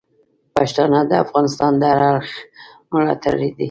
پښتانه د افغانستان د هر اړخ ملاتړي دي.